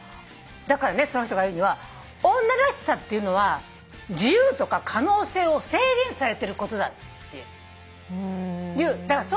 だからその人が言うには女らしさっていうのは自由とか可能性を制限されてることだっていう。